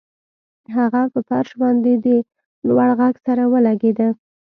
هغه په فرش باندې د لوړ غږ سره ولګیده